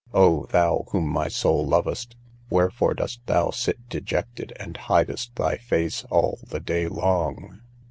O, thou whom my soul loveth, wherefore dost thou sit dejected, and hidest thy face all the day long?